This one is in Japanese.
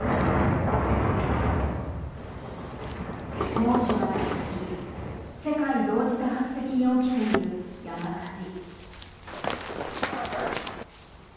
猛暑が続き世界同時多発的に起きている山火事。